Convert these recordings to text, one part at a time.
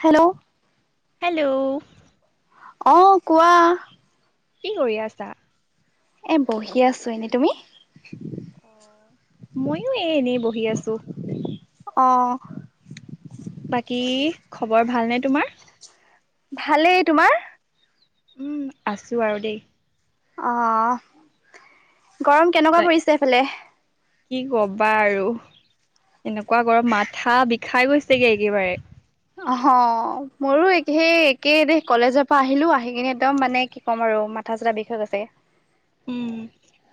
Hello hello অ', কোৱা? কি কৰি আছা? এ, বহি আছোঁ এনে তুমি? ময়ো এ, এনেই বহি আছোঁ। অ বাকী খবৰ ভালনে তোমাৰ? ভালেই, তোমাৰ? উম, আছোঁ আৰু দেই। অ', গৰম বা কেনেকুৱা পৰিছে সেইফালে? কি কবা আৰু এনেকুৱা গৰম মাথা বিষাই গৈছেগে একেবাৰে। অহ, মোৰো সেই একেই দে কলেজৰ পৰা আহিলোঁ, আহি কিনে একদম মানে কি ক'ম আৰু [inaudible] মাথা চাথা বিষ হৈ গৈছে। উম।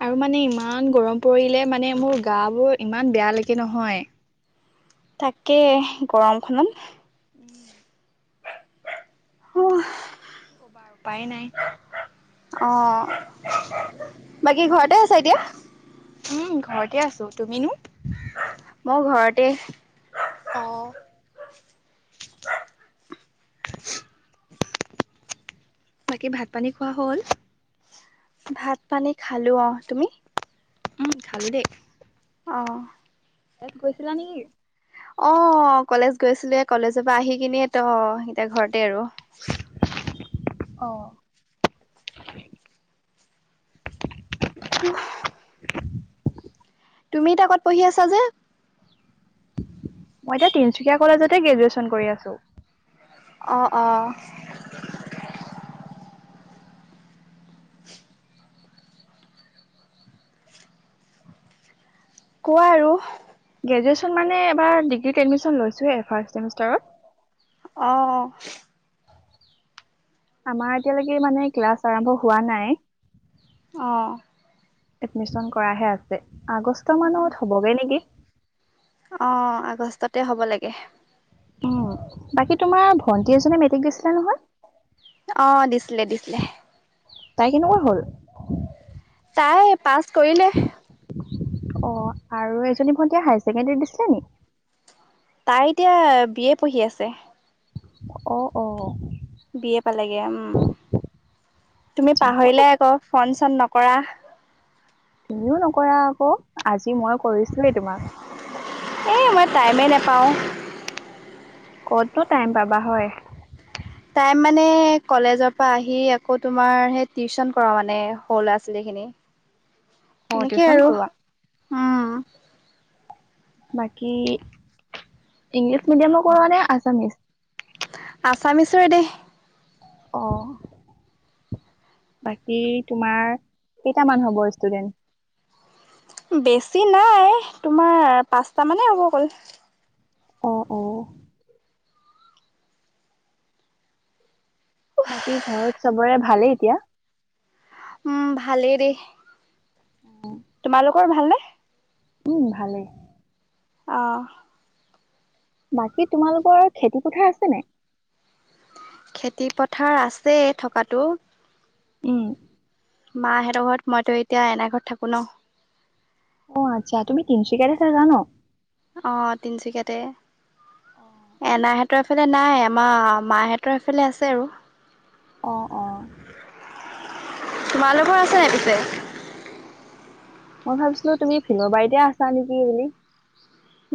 আৰু মানে ইমান গৰম পৰিলে মানে মোৰ গা বোৰ ইমান বেয়া লাগে নহয়। তাকেই গৰমখনত। উম। উহ। উপায় নাই। অ চাই দিয়া। উম, ঘৰতে আছোঁ তুমিনো? মই ঘৰতে। অ বাকী ভাত পানী খোৱা হ'ল? ভাত পানী খালোঁ অ', তুমি? উম, খালোঁ দেই। অহ। [unintelligible] গৈছিলা নেকি? অ', কলেজ গৈছিলোঁৱে কলেজৰ পৰা আহি কিনে ত' এতিয়া ঘৰতে আৰু। অ'। তুমি এতিয়া ক'ত পঢ়ি আছা যে? মই এতিয়া তিনচুকীয়া কলেজতে গ্ৰেজুৱেশ্যন কৰি আছোঁ। অ', অ'। [unintelligible] কোৱা আৰু। গ্ৰেজুৱেশ্যন মানে এইবাৰ ডিগ্ৰীত এডমিশ্যন লৈছোঁহে ফাৰ্ষ্ট চেমিষ্টাৰত। অ'। আমাৰ এতিয়ালৈকে মানে ক্লাছ আৰম্ভ হোৱা নাই। অ'। এডমিশ্যন কৰাহে আছে, আগষ্ট মানত হ'বগে নেকি? অ আগষ্টতে হ'ব লাগে উ বাকী তোমাৰ ভন্টি এজনীয়ে মেট্ৰিক দিছিলে নহয় অ দিছিলে দিছিলে তাই কেনেকুৱা হল তাই পাছ কৰিলে। অ', আৰু এইজনী ভন্টিয়ে হায়াৰ ছেকেণ্ডৰী দিছিল। তাই এতিয়া বি এ পঢ়ি আছে। অ', অ'। বিএ পালেগে উম উম তুমি আচ্ছা ক'ত পাহৰিলাই আকৌ ফ'ন চোন নকৰা তুমিও নকৰা আকৌ আজি মই কৰিছোৱেই তোমাক এই মই টাইমেই নাপাওঁ। ক'তনো টাইম পাবা হয়। টাইম মানে কলেজৰ পৰা আহি আকৌ তোমাৰ হে টিউচন কৰো মানে সৰু ল'ৰা ছোৱালীখিনি। অ' এনেকেই টিউচন আৰু কৰোৱা। উম। বাকী ইংলিছ মিডিয়ামৰ কৰোৱা নে আছামিচ? আচামিচৰে দে অ বাকী তোমাৰ কেইটামান হ'ব ষ্টুডেন্ট? বেছি নাই তোমাৰ পাঁচটা মানে হ'ব অকল। অ অ বাকী ঘৰত চবৰে ভালেই এতিয়া? উম ভালেই দেই। তোমালোকৰ ভালনে? উম ভালেই। অহ বাকী তোমালোকৰ আৰু খেতি পথাৰ আছে নাই? খেতি পথাৰ আছে থকাতটো। উম মাহঁতৰ ঘৰত মইতো এতিয়া এনাই ঘৰত থাকো ন। অঁ, আচ্ছা তুমি তিনিচুকাৰেছে জান? অঁ, তিনচুকীয়াতে এনাইহেট। সিহঁতৰফালে নাই আমাৰ মাহঁতৰ এফালে আছে আৰু। অঁ, অঁ। তোমালোকৰ আছেনে পিছে? মই ভাবিছিলো তুমি ফিলৰ বাৰীতে আছা নেকি বুলি?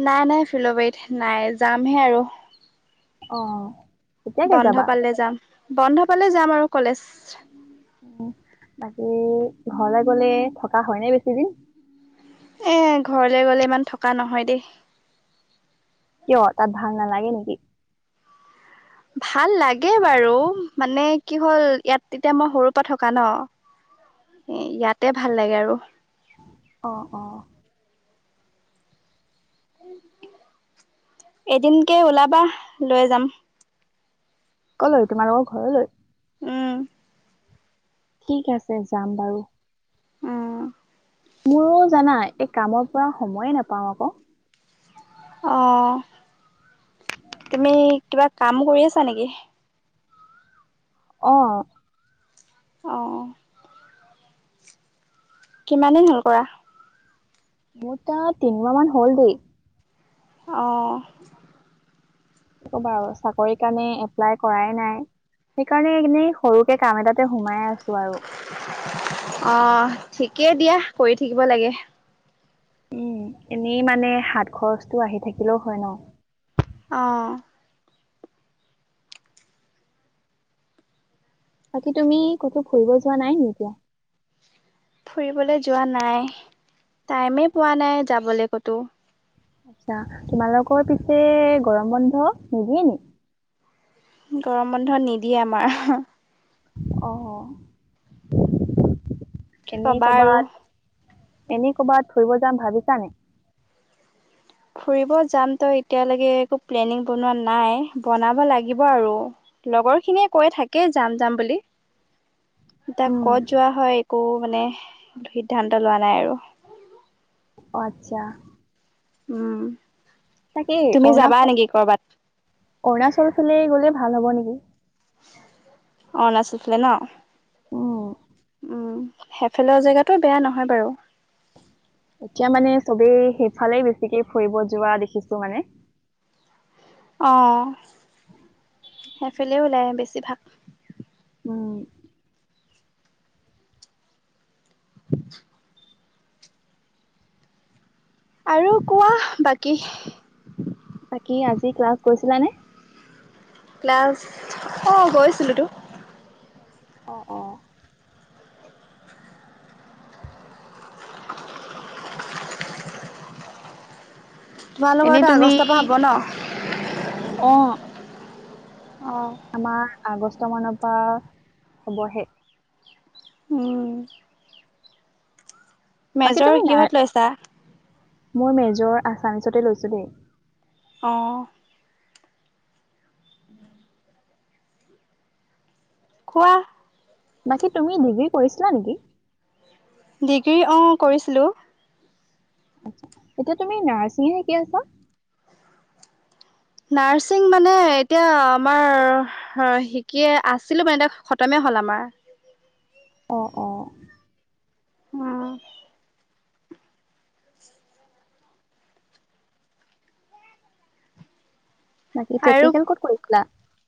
নাই নাই ফিলবাৰত নাই যামহে আৰু। অঁ। বন্ধ পালে যাম বন্ধ পালে যাম আৰু কলেজ। উম। বাকী ঘৰলৈ গলে থকা হয় ন বেছিদিন? এ ঘৰলে গলে ইমান থকা নহয় দেই। কিয় তাত ভাাল নালাগে নেকি? ভাল লাগে বাৰু মানে কি হ'ল ইয়াত তেতিয়া মই সৰু পৰা থকা ন? এ ইয়াতে ভাল লাগে আৰু। অঁ, অঁ। এদিনকে ওলাবা লৈ যাম। কলৈ তোমাৰলোকৰ ঘৰলৈ? উম। ঠিক আছে যাম বাৰু। উম। মোৰো জানা এই কামৰ পৰা সময়ে নাপাওঁ আকৌ। অঁ, তুমি কিবা কাম কৰি আছা নেকি? অঁ। অঁ অঁ। কিমান দিন হ'ল কৰা? মোৰ তাত তিনিমাহ মান হ'ল দেই। অঁ। নকবা আও, চাকৰি কাৰণে এপ্লাই কৰাই নাই। সেইকাৰণে এনেই সৰুকে কাম এটাতে সোমাই আছো। আৰু। আহ ঠিকেই দিয়া কৰি থাকিব লাগে। উম এনেই মানে হাত খৰচটো আহি থাকিলেও হয় ন। অঁ। বাকী তুমি ক'তো ফুৰিব যোৱা নাই নি এতিয়া? ফুৰিবলে যোৱা নাই। টাইমেই পোৱা নাই যাবলে ক'তো। আচ্ছা। তোমালোকৰ পিছে গৰম বন্ধ নিদিয়ে নি? গৰম বন্ধ নিদিয়ে আমাৰ। অ। কি এনেই ক'বা আৰু। ক'বাত, এনে ক'বাত ফুৰিব যাম ভাবিছা নাই? ফুৰিব যাম ত এতিয়ালৈকে একো প্লেনিং বনোৱা নাই, বনাব লাগিব আৰু। লগৰ খিনিয়ে কৈ থাকেই যাম যাম বুলি। [inaudible] তাক উম, ক'ত যোৱা হয় একো মানে সিদ্ধান্ত লোৱা নাই আৰু। অ আট্ছা। উম। তাকেই তুমি যাবা অৰুণাচল, নেকি কৰ'বাত অৰুণাচল ফালেই গলে ভাল হ'ব নেকি? অৰুণাচল ফালে ন। উম, উ হেফালৰ জেগাতটো বেয়া নহয় বাৰু এতিয়া মানে চবেই সেইফালেই বেছিকে ফুৰিব যোৱা দেখিছো মানে অঁ সেইফালে ওলায় বেছিভাগ উম [unintelligible] আৰু কোৱা বাকী বাকী আজি ক্লাছ গৈ ছিলানে ক্লাছ অ গৈছিলোতো অ অ এনে তোমালোকৰতো তুমি আগষ্টৰ পৰা হব ন অ অ', আমাৰ আগষ্ট মানৰ পৰা হবহে উম মেজৰ কিহত লৈছা মই মেজৰ আছামিছতে লৈছোঁ দেই অ [unintelligible] কোৱা বাকি তুমি ডিগ্ৰী কৰিছিলা নেকি ডিগ্ৰী অ কৰিছিলোঁ আচ্ছা এতিয়া তুমি নাৰ্ছিঙে শিকি আছা নাৰছিং মানে এতিয়া আমাৰ শিকে আছিলো মানে এতিয়া খতমে হ'ল আমাৰ অ অ উম। বাকী আৰু, প্ৰেক্টিকেল ক'ত কৰিছিলা?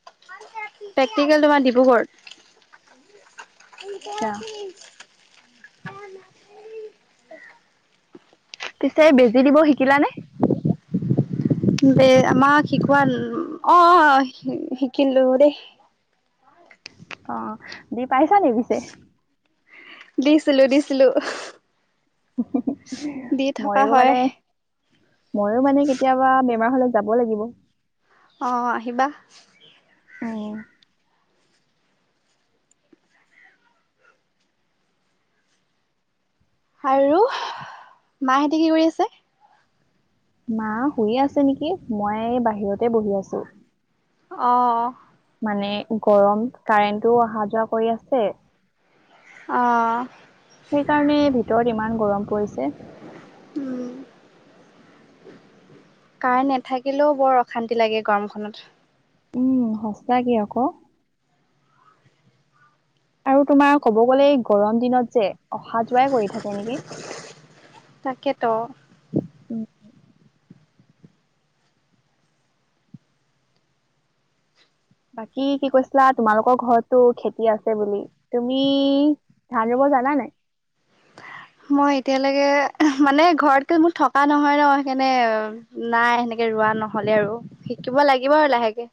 প্ৰেকটিকেল তোমাৰ ডিব্ৰুগড়। আচ্ছা। পিছে বেজি দিব শিকিলানে? দে আমাক শিকোৱা অ শিকিলো দেই। অ দি পাইছা নি পিছে? দিছিলো দিছিলো। দি থকা ময়ো হয়। মানে ময়ো মানে কেতিয়াবা বেমাৰ হলে যাব লাগিব। অ', আহিবা। উম, আৰু, মাহেঁতে কি কৰি আছে? মা শুয়ে আছে নিকি, মই বাহিৰতে বহি আছোঁ। অ'। মানে গৰম। কাৰেণ্টটো অহা যোৱা কৰি আছে আহ'। সেই কাৰণে ভিতৰত ইমান গৰম পৰিছে। উম কাৰেণ্ট নাথাকিলেও বৰ অশান্তি লাগে গৰমখনত। উম। সঁচাকে আকৌ। আৰু তোমাৰ ক'ব গ'লে এই গৰম দিনত যে অহা-যোৱাই কৰি থাকে নেকি। তাকেতো উম '। বাকী কি কৈছিলা তোমালোকৰ ঘৰতটো খেতি আছে বুলি। তুমি ধান ৰুব জনানাই? মই এতিয়ালৈকে মানে ঘৰতকে মোৰ থকা নহয় ন সেইকাৰণে নাই সেনেকে ৰোৱা নহলে আৰু। শিকিব লাগিব আৰু লাহেকে।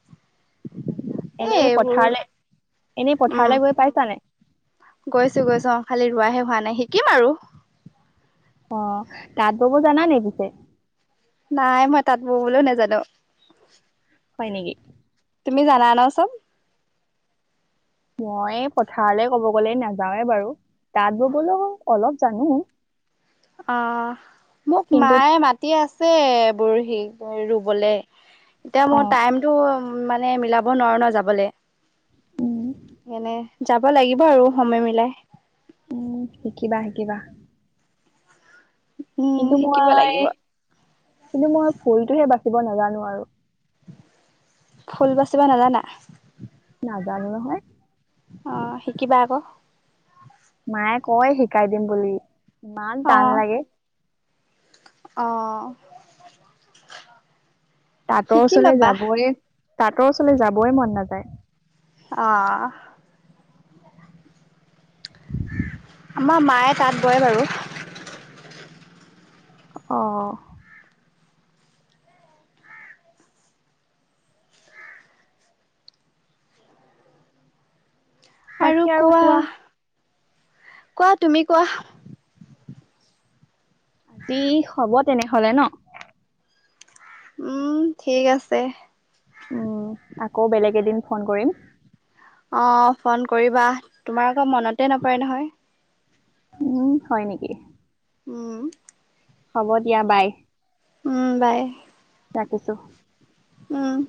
এ এনেই এইবোৰ পথাৰলৈ এনে উম পথাৰলৈ গৈ পাইছানাই? গৈছো গৈছো অ' খালি ৰোৱাহে হোৱা নাই। শিকিম আৰু অহ '। তাত বব জানা নে পিছে? নাই মই তাত ববলৈও নাজানো। হয় নেকি। তুমি জানা না চেন মই পথাৰলৈ কব গ'লে নাযাওঁৱে বাৰু তাত ববলৈ অলপ জানো। অহ। মোক কিন্তু মায়ে মাতি আছে ছে বৰশী ৰুবলে। এতিয়া মই অ টাইমতো মানে মিলাব নোৱাৰোঁ ন যাবলৈ। উম এনে, যাব লাগিব আৰু সময় মিলাই। উম শিকিবা শিকিবা। উম কিন্তু শিকিব মই লাগিব কিন্তু মই ফুলটোহে বাচিব নাজানো আৰু। ফুল বাচিবা নাজানা? জানো নহয়। অ শিকিবা আক। মায়ে কয় শিকাই দিম বুলি ইমান টান লাগে। আহ তাঁতৰ ওচৰলৈ যাবই তাঁতৰ ওচৰলৈ যাবই মন নাযায়। আহ [unintelligible] আমাৰ মায়ে তাত বয় বাৰু আহঁ আৰু কোৱা কোৱা তুমি কোৱা। আজি হব তেনেহলে ন। উম ঠিক আছে। উম আকৌ বেলেগ এদিন ফোন কৰিম। অ ফোন কৰিবা তোমাৰ আকৌ মনতে নপৰে নহয়। উম হয় নেকি! উম হ'ব দিয়া বাই। উম বাই। ৰাখিছো। উম